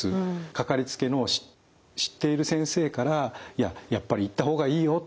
かかりつけの知っている先生から「いややっぱり行った方がいいよ。